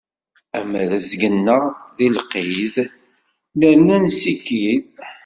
Am rrezg-nneɣ di lqid, nerna nessikid.